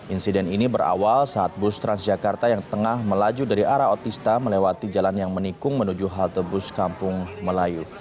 insiden ini berawal saat bus transjakarta yang tengah melaju dari arah otista melewati jalan yang menikung menuju halte bus kampung melayu